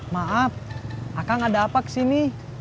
maaf akang ada apa kesini